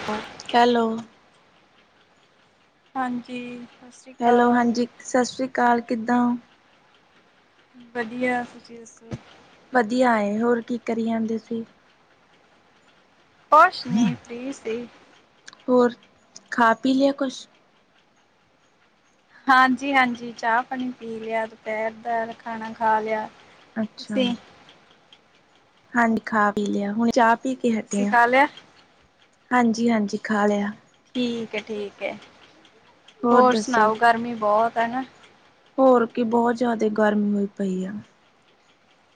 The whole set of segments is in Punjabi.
[unintelligible] ਹੈਲੋ ਹਾਂਜੀ ਬਸ ਹੈਲੋ ਹਾਂਜੀ ਸਤਿ ਸ੍ਰੀ ਅਕਾਲ ਕਿੱਦਾਂ ਵਧੀਆ ਤੁਸੀਂ ਦੱਸੋ ਵਧੀਆ ਏ ਹੋਰ ਕੀ ਕਰੀ ਜਾਂਦੇ ਸੀ। ਕੁੱਛ ਨੀ ਫਰੀ ਸੀ। ਹੋਰ ਖਾ ਪੀ ਲੇਆ ਕੁਛ ਹਾਂਜੀ-ਹਾਂਜੀ ਚਾ ਪਾਨੀ ਪੀ ਲੇਆ ਦੁਪੈਰ ਦਾ ਖਾਨਾ ਖਾ ਲੇਆ। ਅੱਛਾ। ਹਾਂਜੀ ਖਾ ਪੀ ਲੇਆ ਹੁਨ ਚਾ ਪੀ ਕੇ ਹਟੇ ਤੁਸੀਂ ਆਂ, ਖਾ ਲਿਆ ਹਾਂਜੀ-ਹਾਂਜੀ ਖਾ ਲੇਆ। ਠੀਕ ਐ-ਠੀਕ ਐ, ਹੋਰ ਸਨਾਓ ਗਰਮੀ ਬੋਤ ਐ ਨਾ। ਹੋਰ ਕੀ ਬਹੁ ਜਾਦੇ ਗਰਮੀ ਹੋਈ ਪਈ ਆ,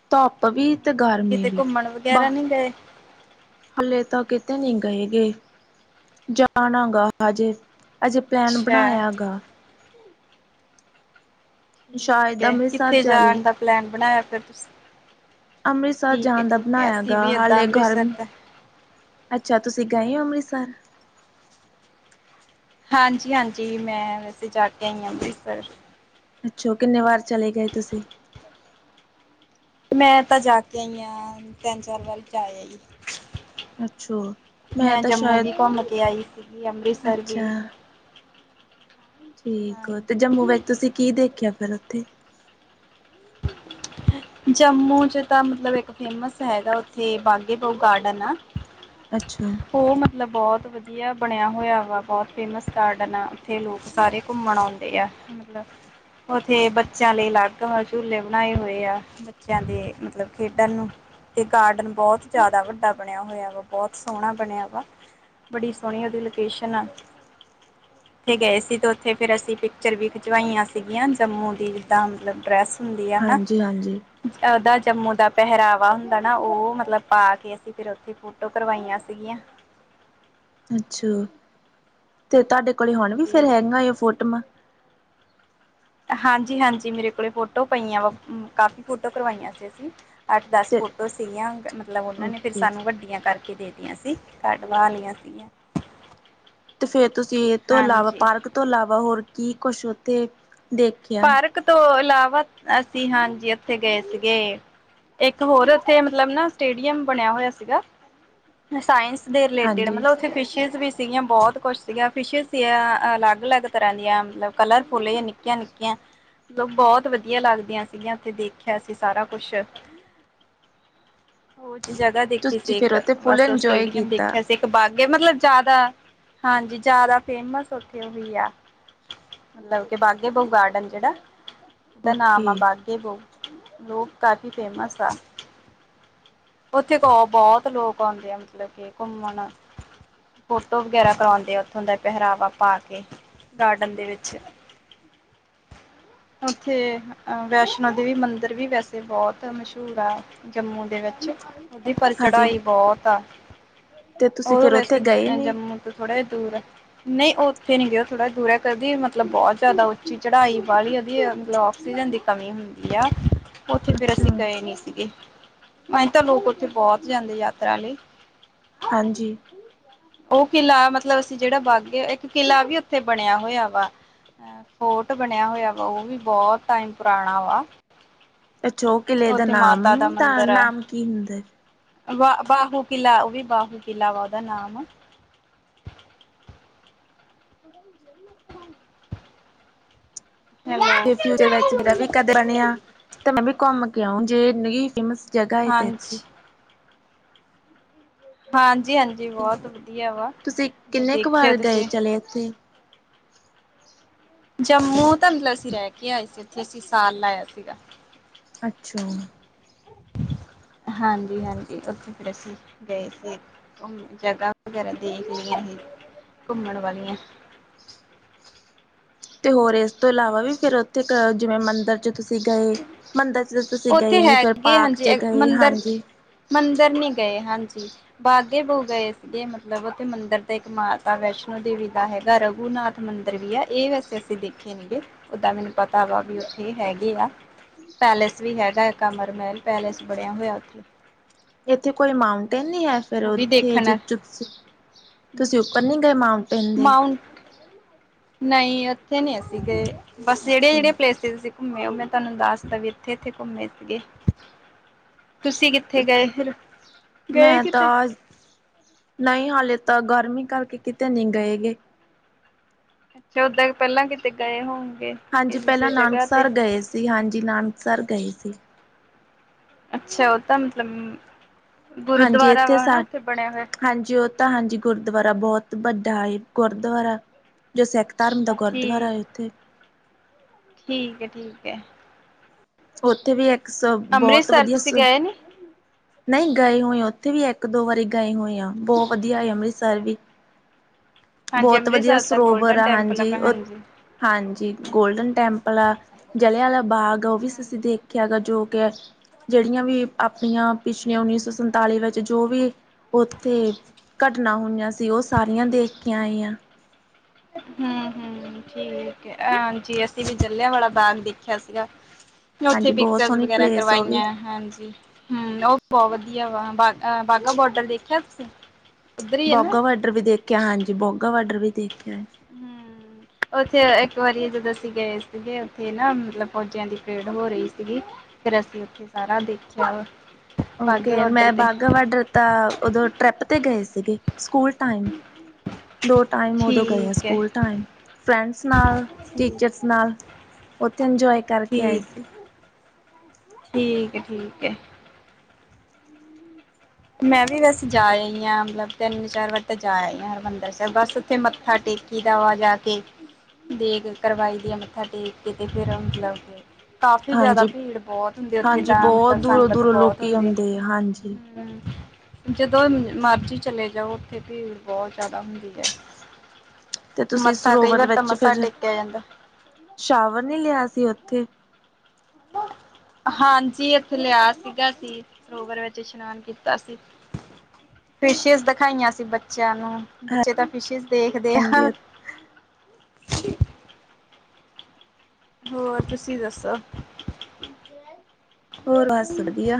ਧੁੱਪ ਵੀ ਤੇ ਗਰਮੀ ਕਿਤੇ ਵੀ, ਘੁੰਮਣ ਵਾਹ ਵਗੈਰਾ ਨਹੀਂ ਗਏ ਹਾਲੇ ਤਾਂ ਕਿਤੇ ਨੀ ਗਏ ਗੇ। ਜਾਨਾ ਗਾ ਹਜੇ, ਅਜੇ ਪਲੈਨ ਅੱਛਾ ਬਨਾਏਆ ਗਾ। ਠੀਕ ਸ਼ਾਇਦ ਐ, ਅੰਮ੍ਰਿਤਸਰ ਕਿੱਥੇ ਜਾਈਏ ਜਾਨ ਦਾ ਪਲੈਨ ਬਨਾਏਆ ਫੇਰ ਤੁਸੀਂ। ਅੰਮ੍ਰਿਤਸਰ ਠੀਕ ਹੈ ਜਾਨ ਦਾ ਠੀਕ ਹੈ ਬਨਾਏਆ ਅਸੀਂ ਗਾ ਵੀ ਏਦਾਂ ਹਾਲੇ ਗਰ ਅੰਮ੍ਰਿਤਸਰ ਤਾਂ ਅੱਛਾ ਤੁਸੀਂ ਗਏ ਓਂ ਅੰਮ੍ਰਿਤਸਰ। ਹਾਂਜੀ-ਹਾਂਜੀ ਮੈਂ ਵੈਸੇ ਜਾ ਕੇ ਆਈ ਆ ਅੰਮ੍ਰਿਤਸਰ। ਅੱਛੇ ਓ ਕਿੰਨੇ ਵਾਰ ਚੱਲੇ ਗਏ ਤੁਸੀਂ। ਮੈਂ ਤਾਂ ਜਾ ਕੇ ਆਈ ਆਂ ਤਿੰਨ ਚਾਰ ਵਾਰੀ ਜਾਏ ਆਈ। ਅੱਛਾ ਮੈਂ ਤਾਂ ਜੰਮੂ ਸ਼ਾਇਦ ਵੀ ਘੁੰਮ ਕੇ ਆਈ ਦਿੱਲੀ, ਅੰਮ੍ਰਿਤਸਰ ਅੱਛਾ ਵੀ। ਠੀਕ ਆ ਤੇ ਜੰਮੂ ਹਾਂਜੀ ਵਿੱਚ ਤੁਸੀਂ ਕੀ ਦੇਖੇਆ ਫਿਰ ਓਥੇ। [unintelligible] ਜੰਮੂ ਚ ਤਾਂ ਮਤਲਬ ਇੱਕ ਫੇਮਸ ਹੈਗਾ ਓਥੇ ਬਾਗੇ ਬਹੁ ਗਾਰਡਨ ਆ। ਅੱਛਾ। ਓ ਮਤਲਬ ਬੋਤ ਵਦੀਆ ਬਨੇਆ ਹੋਏਆ ਵਾ ਬੋਤ ਫੇਮਸ ਗਾਰਡਨ ਆ ਓਥੇ ਲੋਕ ਸਾਰੇ ਘੁੰਮਨ ਔਂਦੇ ਆ ਮਤਲਬ, ਓਥੇ ਬੱਚਿਆਂ ਲਈ ਅਲੱਗ ਵਾ ਝੂਲੇ ਬਨਾਏ ਹੋਏ ਆ ਬੱਚੇਆਂ ਦੇ ਮਤਲਬ ਖੇਡਨ ਨੂੰ। ਤੇ ਗਾਰਡਨ ਬੋਤ ਜਾਦਾ ਵੱਡਾ ਬਨੇਆ ਹੋਏਆ ਵਾ ਬੋਤ ਸੋਨਾ ਬਨੇਆ ਵਾ। ਬੜੀ ਸੋਨੀ ਓਦੀ ਲੋਕੇਸ਼ਨ ਆ। [inaudible] ਓਥੇ ਗਏ ਸੀ ਤੇ ਓਥੇ ਫਿਰ ਅਸੀਂ ਪਿਕਚਰ ਵੀ ਖਿਚਵਾਈਆਂ ਸੀਗੀਆਂ ਜੰਮੂ ਦੀ ਜਿੱਦਾਂ ਮਤਲਬ ਡਰੈਸ ਹੁੰ ਦੀ ਆ ਨਾ। ਹਾਂਜੀ ਹਾਂਜੀ ਓਦਾ ਜੰਮੂ ਦਾ ਪਹਿਰਾਵਾ ਹੁੰਦਾ ਨਾ ਓ ਮਤਲਬ ਪਾ ਕੇ ਅਸੀਂ ਫਿਰ ਓਥੇ ਘੁੰ ਫੋ਼ਟੋ ਕਰਵਾਈਆਂ ਸੀਗੀਆਂ। ਅੱਛਾ, ਤੇ ਤੁਆਡੇ ਕੋਲ ਹੁਨ ਵੀ ਫਿਰ ਹਾਂਜੀ ਹੈਗੀਆ ਓ ਫੋਟੋਮਾਂ। ਹਾਂਜੀ-ਹਾਂਜੀ ਮੇਰੇ ਕੋਲ ਫੋਟੋ ਪਈਆਂ ਵਾ ਕਾਫੀ਼ ਫੋਟੋ ਕਰਵਾਈਆਂ ਸੀ ਅਸੀਂ। ਅੱਠ ਦਸ ਤੇ ਫੋਟੋ ਸੀਗੀਆਂ ਮਤਲਬ ਓਨਾਂ ਨੇ ਫਿਰ ਓਕੇ ਸਾਨੂੰ ਵੱਡੀਆਂ ਕਰਕੇ ਦੇ ਤੀ ਦੀ ਅਸੀਂ ਕੱਡਵਾ ਲੀਆਂ ਸੀਗੀਆਂ। ਤੇ ਫੇ਼ਰ ਤੁਸੀਂ ਏ ਤੋਂ ਅਲਾਵਾ ਹਾਂਜੀ ਪਾਰਕ ਤੋਂ ਅਲਾਵਾ ਹੋਰ ਕੀ ਕੁਛ ਓਥੇ ਦੇ ਪਾਰਕ ਤੋਂ ਅਲਾਵਾ ਅਸੀਂ ਹਾਂਜੀ ਓਥੇ ਗਏ ਸੀਗੇ ਇੱਕ ਹੋਰ ਓਥੇ ਮਤਲਬ ਨਾ ਸਟੇਡੀਅਮ ਬਨੇਆ ਹੋਏਆ ਸੀਗਾ। ਸਾਇੰਸ ਦੇ ਰਿਲੇਟਿਡ ਹਾਂਜੀ ਮਤਲਬ ਓਥੇ ਫਿਸ਼ਿਜ਼ ਵੀ ਸੀਗੀਆਂ ਬੋਤ ਕੁਛ ਸੀਗਾ ਫਿਸ਼ਿਸ ਸੀਆਂ ਅਲੱਗ-ਅਲੱਗ ਤਰ੍ਹਾਂ ਦੀਆਂ ਕਲਰਫੁਲ਼ ਜਾਂ ਨਿੱਕੀਆਂ ਨਿੱ ਕੀਆਂ ਮਤਲਬ ਬੋਤ ਵਦੀਆ ਲੱਗਦੀਆਂ ਸੀਗੀਆਂ ਓਥੇ ਦੇਖੇਆ ਸੀ ਸਾਰਾ ਕੁਛ। [unintelligible] ਓ ਜੀ ਜਗਾ ਦੇਖੀ ਤੁਸੀਂ ਸੀ ਫਿਰ ਇੱਕ ਉੱਥੇ ਫੁੱਲ ਬਸ ਇੰਜੋਏ ਸਟੇਡੀਅਮ ਕੀਤਾ ਦੇਖੇਆ ਸ ਇੱਕ ਬਾਗੇ ਮਤਲਬ ਜਾਦਾ ਹਾਂਜੀ ਜਾਦਾ ਫੇਮਸ ਓਥੇ ਓਹੀ ਆ। ਮਤਲਬ ਕੇ ਬਾਗੇ ਬਹੁੁ ਗਾਰਡਨ ਜੇੜਾ ਓਦਾ ਓਕੇ ਨਾਮ ਐ ਬਾ ਕਿ ਲੋਕ ਕਾਫ਼ੀ ਫੇਮਸ ਆ ਉੱਥੇ ਬਹੁਤ ਲੋਕ ਔਦੇ ਆ ਮਤਲਬ ਕੇ ਘੁੰਮਣ। ਫੋਟੋ ਵਗੈਰਾ ਕਰੌਦੇ ਆ ਉੱਥੋਂ ਦਾ ਪਹਿਰਾਵਾ ਪਾ ਕੇ ਗਾਰਡਨ ਦੇ ਵਿੱਚ। ਉੱਥੇ ਅ ਵੈਸ਼ਨੋ ਦੇਵੀ ਮੰਦਿਰ ਵੀ ਵੈਸੇ ਬਹੁਤ ਮਸ਼ਹੂਰ ਆ। ਜੰਮੂ ਦੇ ਵਿੱਚ ਉਹਦੀ ਪਰ ਹਾਂਜੀ ਚੜਾਈ ਬੋਤ ਆ। ਤੇ ਤੁਸੀਂ ਉਹ ਤਾਂ ਫਿਰ ਉੱਥੇ ਵੈਸੇ ਗਏ ਨੇ ਜੰਮੂ ਤੋਂ ਥੋੜਾ ਜਾਂ ਦੂਰ ਐ ਨਹੀਂ ਉਹ ਉੱਥੇ ਨੀ ਗਏ ਉਹ ਥੋੜ੍ਹਾ ਦੂਰ ਐ ਕਹਦੀ ਮਤਲਬ ਬਹੁਤ ਜ਼ਿਆਦਾ ਉਚੀ ਚੜਾਈ ਵਾਲੀ ਆ ਉਹਦੀ ਆਕਸੀਜਨ ਦੀ ਕਮੀ ਹੁੰਦੀ ਆ ਉੱਥੇ ਫੇਰ ਅਸੀਂ ਅੱਛਾ ਗਏ ਨਹੀਂ ਸੀਗੇ ਅਏ ਤਾਂ ਲੋਕ ਉੱਥੇ ਬਹੁਤ ਜਾਂਦੇ ਯਾਤਰਾ ਲਈ ਹਾਂਜੀ। ਉਹ ਕਿਲ੍ਹਾ ਮਤਲਬ ਅਸੀਂ ਜਿਹੜਾ ਬਾਗੇ ਇੱਕ ਕਿਲ੍ਹਾ ਵੀ ਉੱਥੇ ਬਣਿਆ ਹੋਇਆ ਵਾ। ਹੋਟ ਬਣਿਆ ਹੋਇਆ ਵਾ ਉਹ ਵੀ ਬਹੁਤ ਟਾਈਮ ਪੁਰਾਣਾ ਵਾ। ਅੱਛਾ, ਉਹ ਕਿਲ੍ਹੇ ਦਾ ਉੱਥੇ ਮਾਤਾ ਨਾਮ ਤਾਂ ਨਾਮ ਕੀ ਹੁੰਦਾ ਐ ਵਾਹ ਬਾਹੂ ਕਿਲ੍ਹਾ ਉਹ ਵੀ ਬਾਹੂ ਕਿਲ੍ਹਾ ਵਾ ਉਹਦਾ ਨਾਮ। ਹੈਲੋ। ਤੇ ਫਿਊਚਰ ਵਿੱਚ ਮੇਰਾ ਵੀ ਕਦੇ ਬਣਿਆ ਤੇ ਮੈਂ ਵੀ ਘੁੰਮ ਕੇ ਆਓ ਜੇ ਨਈ ਫੇ਼ਮਸ ਜਗਾ ਏ ਤੇ ਐਥੇ। ਹਾਂਜੀ, ਹਾਂਜੀ ਹਾਂਜੀ ਬਹੁਤ ਵਧੀਆ ਵਾ ਤੁਸੀਂ ਮੈਂ, ਕਿੰਨੇ ਕੁ ਦੇਖਿਆ ਵਾਰ ਗਏ ਤੁਸੀਂ। [unintelligible] ਜੰਮੂ ਤਾਂ ਮਤਲਬ ਅਸੀਂ ਰਹਿ ਕੇ ਆਏ ਸੀ ਉੱਥੇ ਅਸੀਂ ਸਾਲ ਲਾਇਆ ਸੀਗਾ। ਅੱਛਾ ਹਾਂਜੀ ਹਾਂਜੀ, ਉੱਥੇ ਫੇਰ ਅਸੀਂ ਗਏ ਸੀ ਉਹ ਜਗ੍ਹਾ। ਵਗੈਰਾ ਦੇਖ ਲਈਆਂ ਸੀ ਘੁੰਮਣ ਵਾਲੀਆਂ ਤੇ ਹੋਰ ਇਸ ਤੋਂ ਇਲਾਵਾ ਵੀ ਫੇਰ ਉੱਥੇ ਕ ਜਿਵੇਂ ਮੰਦਿਰ ਚ ਤੁਸੀਂ ਗਏ ਮੰਦਿਰ ਚ ਤਾਂ ਤੁਸੀਂ ਗਏ ਉੱਥੇ ਨੀ ਫੇਰ ਪਾਕ ਚ ਗਏ ਹਾਂਜੀ। ਮੰਦਰ ਨੀਂ ਗਏ ਹਾਂਜੀ। ਬਾਗੇ ਬੋ ਗਏ ਸੀਗੇ ਮਤਲਬ ਉੱਥੇ ਮੰਦਰ ਤੇ ਇੱਕ ਮਾਤਾ ਵੈਸ਼ਨੋ ਦੇਵੀ ਦਾ ਹੈਗਾ ਰਘੂਨਾਥ। ਮੰਦਰ ਵੀ ਆ ਇਹ ਵੈਸੇ ਅਸੀਂ ਦੇਖੇ ਨੇਗੇ ਉਦਾਂ ਮੈਨੂੰ ਪਤਾ ਵਾ ਵੀ ਉੱਥੇ ਇਹ ਹੈਗੇ ਆ। ਪੈਲੇਸ ਵੀ ਹੈਗਾ ਏ ਕਮਰ ਮਹਿਲ ਪੈਲੇਸ ਬਣਿਆ ਹੋਇਆ ਉੱਥੇ ਇੱਥੇ ਕੋਈ ਮਾਊਂਟੇਨ ਨਹੀਂ ਹੈ ਫੇਰ ਉਹ ਵੀ ਉੱਥੇ ਜਜ ਦੇਖਣ ਤ ਤੁਸੀਂ ਉੱਪਰ ਨੀ ਗਏ ਮਾਊਂ ਮਾਊਂਟ ਨਹੀਂ ਉੱਥੇ ਨਈ ਅਸੀ ਗਏ ਬਸ ਜਿਹੜੀਆਂ ਅੱਛਾ ਜਿਹੜੀਆਂ ਪਲੇਸਸ ਸੀ ਘੁੰਮੇ ਉਹ ਮੈਂ ਤੁਹਾਨੂੰ ਦੱਸਦਾ ਵੀ ਇੱਥੇ ਇੱਥੇ ਘੁੰਮੇ ਸੀਗੇ ਤੁਸੀਂ ਕਿੱਥੇ ਗਏ ਫੇਰ ਗਏ ਕਿਤੇ ਨਈ ਹਾਲੇ ਤਾਂ ਗਰਮੀ ਕਰਕੇ ਕਿਤੇ ਨਹੀਂ ਗਏ ਗੇ। ਅੱਛਾ ਓਦਾਂ ਪਹਿਲਾਂ ਕਿਤੇ ਗਏ ਹੋਗੇ ਹਾਂਜੀ ਪਹਿਲਾਂ ਨਾਨਕਸਰ ਗਏ ਸੀ ਹਾਂਜੀ ਨਾਨਕਸਰ ਗਏ ਸੀ। ਅੱਛਾ ਉਹ ਤਾਂ ਮਤਲਬ ਹਾਂਜੀ ਗੁਰੂਦੁਆਰਾ ਇੱਥੇ ਵਾ ਹਨਾ ਸਾ ਉੱਥੇ ਬਣਿਆ ਹੋਇਆ ਹਾਂਜੀ ਉਹ ਤਾਂ ਹਾਂਜੀ ਗੁਰਦੁਆਰਾ ਬਹੁਤ ਵੱਡਾ ਏ ਗੁਰਦੁਆਰਾ ਜੋ ਸਿੱਖ ਧਰਮ ਦਾ ਗੁਰਦੁਆਰਾ ਠੀਕ ਏ ਉੱਥੇ ਠੀਕ ਐ ਠੀਕ ਐ। ਉੱਥੇ ਵੀ ਇੱਕ ਸ ਬਹੁਤ ਅੰਮ੍ਰਿਤਸਰ ਵਧੀਆ ਸ ਤੁਸੀਂ ਗਏ ਨੀ ਨਹੀਂ ਗਏ ਹੋਏ ਆ ਉੱਥੇ ਵੀ ਇੱਕ ਦੋ ਵਾਰੀ ਗਏ ਹੋਏ ਆ ਬਹੁਤ ਵਧੀਆ ਐ ਅੰਮ੍ਰਿਤਸਰ ਵੀ ਹਾਂਜੀ ਬਹੁਤ ਵਧੀਆ ਅੰਮ੍ਰਿਤਸਰ ਤਾਂ ਸਰੋਵਰ ਗੋਲਡਨ ਆ ਟੈਂਪਲ ਹਾਂਜੀ ਆਪਾਂ ਉਥ ਹਾਂਜੀ ਹਾਂਜੀ ਗੋਲਡਨ ਟੈਂਪਲ ਆ ਜਲ੍ਹਿਆਂ ਆਲਾ ਬਾਗ ਆ ਉਹ ਵੀ ਅਸੀ ਦੇਖਿਆ ਗਾ ਜੋ ਕ ਜਿਹੜੀਆਂ ਵੀ ਆਪਣੀਆਂ ਪਿਛਲੀਆਂ ਉੱਨੀ ਸੌ ਸੰਤਾਲੀ ਵਿੱਚ ਜੋ ਵੀ ਉੱਥੇ ਘਟਨਾ ਹੋਈਆਂ ਸੀ ਉਹ ਸਾਰੀਆਂ ਦੇਖ ਕੇ ਆਏ ਆਂ। ਹੂੰ -ਹੂੰ। ਠੀਕ ਹੈ ਹਾਂਜੀ ਅਸੀਂ ਵੀ ਚੱਲਿਆ ਵਾਲਾ ਬਾਂਗ ਦੇਖਿਆ ਸੀਗਾ। ਉੱਥੇ ਹਾਂਜੀ ਬਹੁਤ ਪਿਕਚਰਸ ਸੋਹਣੀ ਵਗੈਰਾ ਪਲੇਸ ਉਹ ਵੀ ਕਰਵਾਈਆਂ ਹਾਂਜੀ। ਹੂੰ ਉਹ ਬੋਹ ਵਧੀਆ ਵਾ ਬ ਬਾਘਾ ਬੋਡਰ ਦੇਖਿਆ ਤੁਸੀਂ? ਉੱਧਰ ਹੀ ਹੈ ਨਾ ਬੋਗਾ ਵਾਰਡਰ ਵੀ ਦੇਖਿਆ ਹਾਂਜੀ ਬੋਗਾ ਵਾਰਡਰ ਵੀ ਦੇਖਿਆ ਹੈ। ਹੂੰ। ਉੱਥੇ ਇੱਕ ਵਾਰੀ ਜਦੋਂ ਅਸੀਂ ਗਏ ਸੀਗੇ ਉੱਥੇ ਨਾ ਮਤਲਬ ਫੌਜੀਆਂ ਦੀ ਪਰੇਡ ਹੋ ਰਹੀ ਸੀਗੀ। ਫੇਰ ਅਸੀਂ ਉੱਥੇ ਸਾਰਾ ਦੇਖਿਆ ਵਾ। ਵਾਹਗੇ ਓਕੇ ਬਾਰਡਰ ਮੈਂ ਤੇ ਬਾਘਾ ਵਡਰ ਤਾਂ ਉਦੋਂ ਟ੍ਰਿਪ ਤੇ ਗਏ ਸੀਗੇ, ਸਕੂਲ ਟਾਈਮ? ਦੋ ਟਾਈਮ ਉਦੋਂ ਗਏ ਆ ਠੀਕ ਐ। ਸਕੂਲ ਟਾਈਮ ਫਰੈਂਡਸ ਨਾਲ, ਠੀਕ ਟੀਚਰਸ ਨਾਲ। ਉਥੇ ਇਨਜੋਏ ਕਰਕੇ ਆਏ ਠੀਕ ਸੀ। ਠੀਕ ਏ- ਠੀਕ ਏ। ਮੈਂ ਵੀ ਬਸ ਜਾ ਆਈ ਹਾਂ ਮਤਲਬ ਤਿੰਨ ਚਾਰ ਵਾਰ ਤੇ ਜਾ ਆਈ ਹਾ ਹਰਿਮੰਦਰ ਸਾਹਿਬ ਬਸ। ਤੇ ਮੱਥਾ ਟੇਕੀ ਦਾ ਆ ਵਾ ਜਾ ਕੇ। ਦੇਗ ਕਰਵਾਈ ਦੀ ਆ ਮੱਥਾ ਟੇਕ ਕੇ ਤੇ ਫੇਰ ਮਤ ਲਬ ਕੇ- ਕਾਫ਼ੀ ਜਿਆਦਾ ਹਾਂਜੀ, ਭੀੜ ਬੋਤ ਹੁੰਦੀ ਉੱਥੇ ਹਾਂਜੀ ਤਾਂ ਬਹੁਤ ਮਤਲਬ ਸੰਗਤ ਦੂਰੋਂ-ਦੂਰੋਂ ਬਹੁਤ ਲੋਕੀ ਹੁੰਦ ਆ, ਆਉਂਦੇ ਹਾਂਜੀ। ਹੂੰ। ਜਦੋਂ ਮਰਜ਼ੀ ਚਲੇ ਜਾਓ ਉੱਥੇ ਭੀੜ ਬੋਹ ਜਿਆਦਾ ਹੁੰਦੀ ਹੈ। ਤੇ ਤੁਸੀਂ ਮੱਥਾ ਕਈ ਸਰੋਵਰ ਦੇ ਵਾਰ ਤਾਂ ਵਿੱਚ ਮੱਥਾ ਫੇਰ, ਟੇਕਿਆ ਜਾਂਦਾ। ਸ਼ਾਵਰ ਨੀ ਲਿਆ ਸੀ ਉੱਥੇ? ਹਾਂਜੀ ਇੱਥੇ ਲਿਆ ਸੀਗਾ ਸੀ। ਸਰੋਵਰ ਵਿੱਚ ਇਸ਼ਨਾਨ ਕੀਤਾ ਸੀ, ਫਿਸ਼ਿਸ ਦਿਖਾਈਆਂ ਸੀ ਬੱਚਿਆਂ ਨੂੰ। ਬੱਚੇ ਤਾਂ ਫਿਸ਼ਿਸ ਦੇਖਦੇ ਆ। ਹਾਂਜੀ ਹੋਰ ਤੁਸੀਂ ਦੱਸੋ? ਹੋਰ ਬਸ ਵਧੀਆ।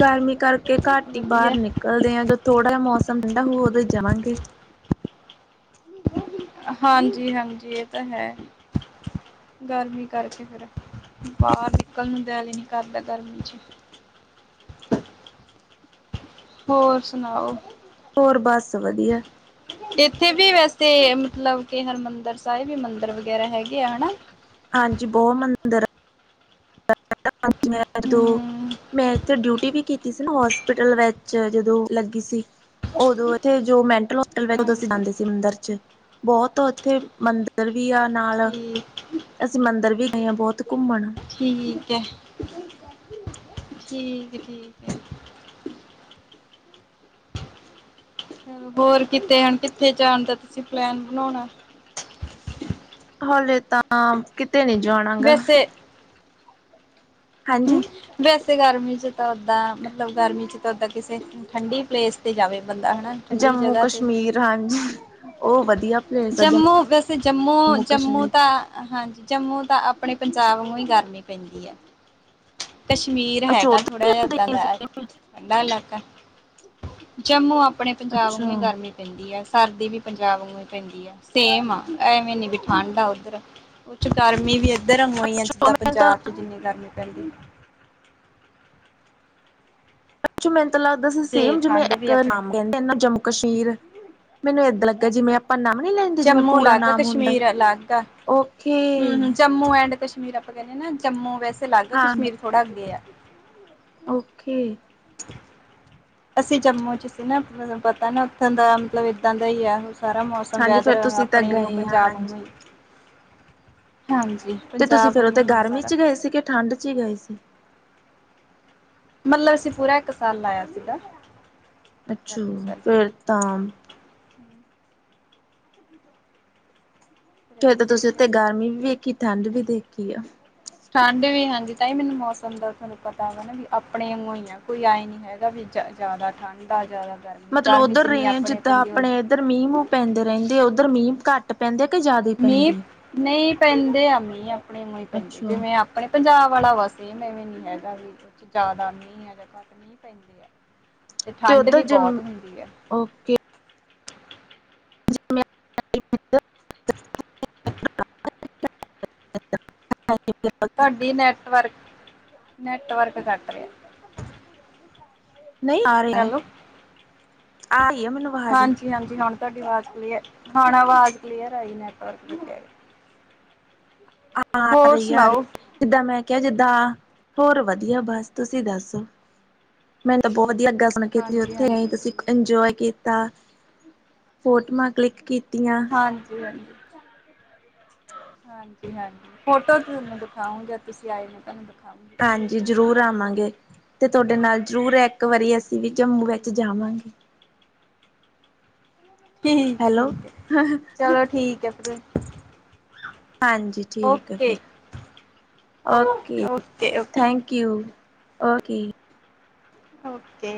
ਗਰਮੀ ਕਰਕੇ ਘੱਟ ਹੀ ਵਧੀਆ ਬਾਹਰ ਨਿਕਲਦੇ ਆ ਜਦੋਂ ਥੋੜਾ ਮੌਸਮ ਠੰਡਾ ਹੋ ਉਦੋਂ ਈ ਜਾਵਾਂਗੇ। ਹਾਂਜੀ- ਹਾਂਜੀ ਇਹ ਤਾਂ ਹੈ। ਗਰਮੀ ਕਰਕੇ ਫੇਰ ਬਾਹਰ ਨਿਕਲ ਨੂੰ ਦਿਲ ਈ ਨੀ ਕਰਦਾ ਗਰਮੀ ਚ। ਹੋਰ ਸੁਣਾਓ? ਹੋਰ ਬਸ ਵਧੀਆ। ਇੱਥੇ ਵੀ ਵੈਸੇ ਮਤਲਬ ਕੇ ਹਰਿਮੰਦਰ ਸਾਹਿਬ ਵੀ ਮੰਦਿਰ ਵਗੈਰਾ ਹੈਗੇ ਆ, ਹਨਾ। ਹਾਂਜੀ ਬੋਹ ਮੰਦਿਰ ਆ। ਮ ਓਦੋ, ਹੂੰ ਮੈਂ ਇੱਥੇ ਡਿਊਟੀ ਵੀ ਕੀਤੀ ਸੀ ਨਾ ਹੋਸਪਿਟਲ ਵਿੱਚ ਮੈਂ ਜਦੋਂ ਲੱਗੀ ਸੀ, ਉਦੋਂ- ਥੇ ਜੋ ਮੈਂਟਲ ਹੌਸਪੀਟਲ ਜਦੋਂ ਅਸੀਂ ਹਾਂਜੀ ਜਾਂਦੇ ਸੀ ਮੰਦਿਰ ਚ ਬਹੁਤ ਇੱਥੇ ਮੰਦਰ, ਇੱਧਰ ਵੀ ਆ ਨਾਲ। ਠੀਕ ਇਹ ਗਏ ਆ ਬੋਹਤ ਘੁੰਮਣ। ਠੀਕ ਹੈ, ਠੀਕ ਏ- ਠੀਕ ਏ। ਚਲੋ ਹੋਰ ਕਿਤੇ ਹੁਣ ਕਿੱਥੇ ਜਾਣ ਦਾ ਤੁਸੀਂ ਪਲੈਨ ਬਣਾਉਣਾ? ਹਲੇ ਤਾਂ ਆ ਕਿਤੇ ਨੀ ਜਾਣਾ ਹਗਾ। ਵੈਸੇ ਹੂੰ ਵੈਸੇ ਗਰਮੀ ਚ ਤਾਂ ਓਦਾਂ ਮਤਲਬ ਗਰਮੀ ਚ ਤਾਂ ਓਦਾਂ ਕਿਸੇ- ਠੰਡੀ ਪਲੇਸ ਤੇ ਜਾਵੇ ਬੰਦਾ, ਹਨਾ। ਠੰਡੀ ਜੰਮੂ ਜਗ੍ਹਾ ਤੇ ਕਸ਼ਮੀਰ ਹਾਂਜੀ, ਉਹ ਵਧੀਆ। ਪਲੇਸ ਆ ਜੰਮੂ ਵੈਸੇ ਜੰਮੂ, ਜੰਮੂ ਤਾਂ। ਹਾਂਜੀ ਜੰਮੂ ਤਾਂ ਆਪਣੇ ਪੰਜਾਬ ਨੂੰ ਹੀ ਗਰਮੀ ਪੈਂਦੀ ਹੈ। ਕਸ਼ਮੀਰ ਅੱਛਾ ਹੈਗਾ ਉਧਰ ਥੋੜਾ ਜਿਹ ਏਦਾਂ ਦਾ ਠੰਢਾ ਇਲਾਕਾ। ਜੰਮੂ, ਆਪਣੇ ਪੰਜਾਬ ਅੱਛਾ ਨੂੰ ਹੀ ਗਰਮੀ ਪੈਂਦੀ ਅ, ਸਰਦੀ ਵੀ ਪੰਜਾਬ ਨੂੰ ਈ ਸਟੀਮ ਆ ਐਵੇਂ ਨਈ ਠੰਡ ਆ ਉਧਰ ਕੁਛ ਗਰਮੀ ਵੀ ਪੈਦੀ ਆ ਧਰਮ ਹੋਈਆਂ ਜਿੱਦਾਂ, ਮੈਨੂੰ ਤਾਂ ਪੰਜਾਬ 'ਚ ਜਿੰਨੀ ਕਰਨੀ ਪੈਂਦੀ ਜੋ ਮੈਨੂੰ ਲੱਗਦਾ ਸੀ ਤੇ ਸੇਮ ਜਿਵੇਂ, ਠੰਡ ਵੀ ਇੱਕ ਆਪਣੇ ਨਾਮ ਕਹਿੰਦੇ ਨਾ ਜੰਮੂ। ਕਸ਼ਮੀਰ, ਮੈਨੂੰ ਇਦਾਂ ਲੱਗਾ ਜਿਵੇਂ, ਪੰਨਾ ਵੀ ਨਹੀਂ ਲੈਂ, ਜੰਮੂ ਅਲੱਗ, ਕਸ਼ਮੀਰ ਅਲੱਗ, ਓਕੇ ਹੂ- ਹੂ ਜੰਮੂ ਐਂਡ ਕਸ਼ਮੀਰ ਆਪਾਂ ਕਹਿੰਦੇ ਨਾ ਜੰਮੂ ਵੈਸੇ ਅਲੱਗ, ਹਾਂ ਕਸ਼ਮੀਰ ਥੋੜਾੱ ਅੱਗੇ ਆ ਓਕੇ ਅਸੀਂ ਜੰਮੂ ਚ ਸੀ ਨਾ, ਮੈਨੂੰ ਪਤਾ ਨਾ ਉੱਥੋਂ ਦਾ ਮਤਲਬ ਏਦਾਂ ਦਾ ਹੀ ਆ, ਉਹ ਸਾਰਾ ਮਾਹੌਲ ਸਗੋਂ ਹਾਂਜੀ ਫੇਰ ਵੈਦਰ ਤੁਸੀਂ ਤਾਂ ਆਪਣੇ ਨੂੰ ਗਏ ਆ ਪੰਜਾਬ ਹਾਂਜੀ ਨੂੰ ਹੀ, ਹਾਂਜੀ। ਤੇ ਤੁਸੀਂ ਪੰਜਾਬ ਫੇਰ ਉਥੇ, ਨੂੰ ਹੀ ਆ ਗਰਮੀ ਸਾਰਾ ਚ ਗਏ ਸੀ। ਕਿ ਠੰਡ ਚ ਹੀ ਗਏ ਸੀ? ਮਤਲਬ, ਅਸੀਂ ਪੂਰਾ ਇੱਕ ਸਾਲ ਲਾਇਆ ਸੀਗਾ ਅੱਛਾ ਗਰਮੀ ਸਰਦੀ ਫੇਰ ਤਾਂ। ਫਿਰ ਰਹੇ ਤਾਂ ਸੀ ਤੁਸੀਂ ਉੱਥੇ ਅਸੀਂ ਗਾਰਮੀ ਵੀ, ਦੇਖੀ ਠੰਡ ਦੇਖੀ ਠੰਡ ਵੀ ਹਾਂਜੀ, ਤਾਂਹੀ ਮੈਨੂੰ ਮੌਸਮ ਦਾ ਤੁਹਾਨੂੰ ਪਤਾ ਹੈਗਾ ਨਾ, ਵੀ ਆਪਣੇ ਵਾਂਗੂੰ ਹੀ ਆ ਕੋਈ ਆਏ ਨਈ ਹੈਗਾ, ਵੀ-ਵੀ ਜ਼ਿਆਦਾ ਠੰਡ ਆ, ਜ਼ਿਆਦਾ ਗ਼ਰਮੀ ਆ ਮਤਲਬ ਉੱਧਰ ਰੇਜ ਜਿੱਦਾਂ, ਆਪਣੇ ਇੱਧਰ ਮੀਂਹ- ਮੂੰਹ ਪੈਂਦੇ ਰਹਿਦੇ, ਆ ਉੱਧਰ ਮੀਂਹ, ਘੱਟ ਪੈਂਦੇ ਆ ਕਿ ਜ਼ਿਆਦਾ ਮੀਂਹ ਪੈਂਦੇ ਆ ਨਈ ਪੈਂਦੇ ਆ ਮੀਂਹ ਆਪਣੇ ਨੂੰ ਪੈਂਦੇ ਜਿਵੇਂ, ਅੱਛਾ ਹਲੇ ਆਪਣੇ ਪੰਜਾਬ ਵਾਲਾ ਵਾਸਤੇ, ਐਵੇਂ ਨਈ ਹੈਗਾ ਵੀ ਕੁ ਜ਼ਿਆਦਾ ਮੀ ਆ, ਜਾਂ ਘੱਟ ਮੀਂ ਪੈਂਦੀ ਆ ਤੇ ਠੰਡ ਉਧਰ ਵੀ ਬਹੁਤ ਚਲੋ, ਹੁੰਦੀ ਹੈ ਓਕੇ [inaudible] [inaudible] [inaudible] ਤੁਹਾਡੀ ਨੈਟਵਰਕ, ਨੈਟਵਰਕ ਘੱਟ ਰਿਹਾ। ਨਹੀਂ ਆ ਰਿਹਾ ਏ, ਹੈਲੋ ਆ ਰਹੀ ਆ ਮੈਨੂੰ ਆਵਾਜ਼ ਕਿ ਹਾਂਜੀ, ਹੁਣ ਤੁਹਾਡੀ ਆਵਾਜ਼ ਕਲੀਅਰ, ਹੁਣ ਆਵਾਜ਼ ਕਲੀਅਰ ਆਈ ਨੈਟਵਰਕ ਆ ਰਹੀ ਆ ਹੋਰ ਰਹੀ ਯਾਰ, ਸੁਣਾਓ ਜਿੱਦਾਂ ਮੈਂ ਕਿਹਾ ਕਿੱਦਾਂ, ਹੋਰ ਵਧੀਆ ਬਸ ਤੁਸੀਂ ਦੱਸੋ? ਮੈਨੂੰ ਤੇ ਬਹੁਤ ਲੱਗਾ ਸੀ। ਹੁਣ ਕੀਤੀ ਹਾਂਜੀ ਉੱਥੇ ਆਈ ਹਾਂਜੀ ਤੇਤੁਸੀਂ ਵਧੀਆ ਇੰਜੋਏ ਕੀਤਾ, ਫੋਟੋਆਂ ਕਲਿਕ ਕੀਤੀਆਂ ਜ ਹਾਂਜੀ। [inaudible] ਹਾਂਜੀ- ਹਾਂਜੀ ਫੋਟੋ ਤੁਹਾਨੂੰ ਦਿਖਾਉ, ਜਦ ਤੁਸੀਂ ਆਏ ਮੈ ਤੁਹਾਨੂੰ ਦਿਖਾਉਗੇ ਹਾਂਜੀ, ਜ਼ਰੂਰ ਆਵਾਂਗੇ ਤੇ ਤੁਹਾਡੇ ਨਾਲ ਜ਼ਰੂਰ ਇੱਕ ਵਾਰੀ ਅਸੀਂ ਵੀ ਜੰਮੂ ਵਿੱਚ ਜਾਵਾਂਗੇ। ਹੈਲੋ ਚਲੋ ਠੀਕ ਏ ਫਿਰ ਹਾਂਜੀ, ਠੀਕ ਹੈ ਫਿਰ, okay okay okay okay thank you. Okay okay